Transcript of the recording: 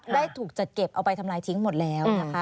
ได้ถูกจัดเก็บเอาไปทำลายทิ้งหมดแล้วนะคะ